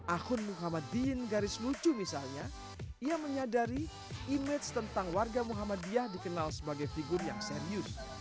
akun muhammad diin garis lucu misalnya ia menyadari image tentang warga muhammadiyah dikenal sebagai figur yang serius